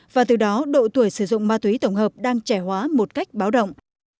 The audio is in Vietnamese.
và từ đó độ tuổi sử dụng ma túy tổng hợp đang trẻ hóa một cách báo động